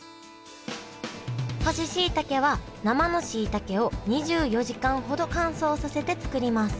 干ししいたけは生のしいたけを２４時間ほど乾燥させて作ります